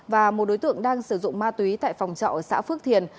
và một đối tượng đang sử dụng ma túy tại phòng trọ ở xã phước thiền